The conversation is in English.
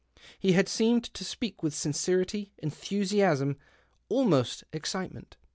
He had seemed to jpeak with sincerity, enthusiasm, almost ex citement.